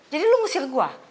jadi lu ngusir gue